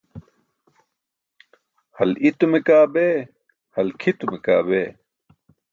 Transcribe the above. Hal i̇tume kaa bee, hal kʰitume kaa bee.